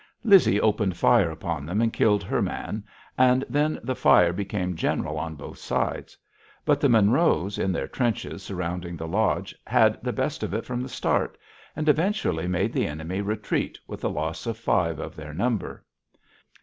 Lizzie opened fire upon them and killed her man, and then the fire became general on both sides. But the Monroes, in their trenches surrounding the lodge, had the best of it from the start, and eventually made the enemy retreat with a loss of five of their number.